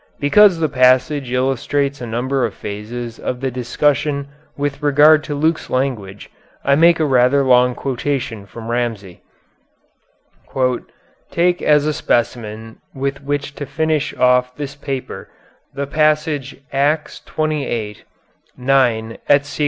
Because the passage illustrates a number of phases of the discussion with regard to Luke's language I make a rather long quotation from Ramsay: Take as a specimen with which to finish off this paper the passage Acts xxviii, 9 _et seq.